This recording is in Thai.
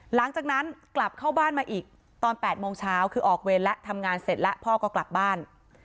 หลังจากนั้นกลับเข้าบ้านมาอีกตอน๘โมงเช้าคือออกเวรแล้วทำงานเสร็จแล้วพ่อก็กลับบ้าน